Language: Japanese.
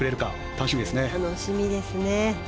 楽しみですね。